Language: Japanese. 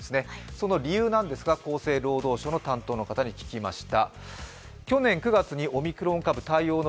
その理由なんですが厚生労働省の担当の方に聞きました。